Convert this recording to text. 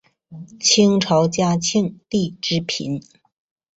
清朝嘉庆帝之嫔。